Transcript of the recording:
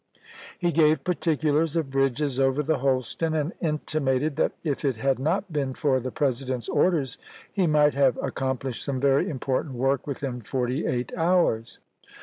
He gave particulars of bridges over the Holston, and intimated that if it had not been for the President's orders he might have accomplished some very im portant work within forty eight hours.